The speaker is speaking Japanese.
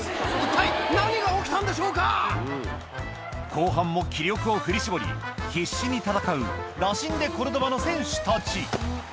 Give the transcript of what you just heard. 後半も気力を振り絞り必死に戦うラシン・デ・コルドバの選手たち